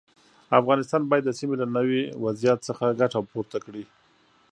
افغانستان باید د سیمې له نوي وضعیت څخه ګټه پورته کړي.